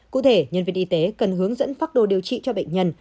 cụ thể nhân viên y tế cần hướng dẫn phác đồ điều trị cho bệnh nhân